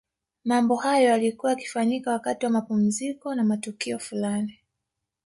Mambo hayo yalikuwa yakifanyika wakati wa mapumziko na matukio fulani